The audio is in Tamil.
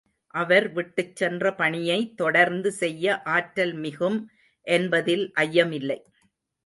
அவர் விட்டுச் சென்ற பணியை தொடர்ந்து செய்ய ஆற்றல் மிகும் என்பதில் ஐயமில்லை.